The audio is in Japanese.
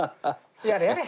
やれやれ。